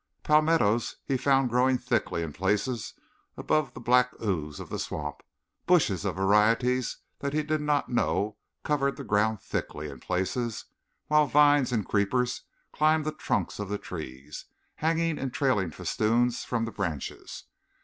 Palmettos he found growing thickly in places above the black ooze of the swamp, bushes of varieties that he did not know covered the ground thickly in places, while vines and creepers climbed the trunks of the trees, hanging in trailing festoons from the branches.